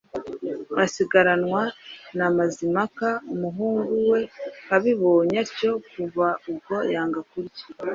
asigaranwa na Mazimpaka. Umuhungu we abibonye atyo kuva ubwo yanga kurya